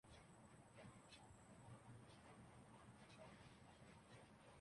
اللہ تعالی کی قدرت کے ساتھ جنگ ہی نہیں بلکہ اپنے ماحول کو اپنے ہی ہاتھوں تباہ کرنا ہے